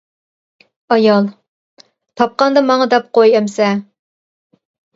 ئايال: تاپقاندا ماڭا دەپ قوي ئەمىسە.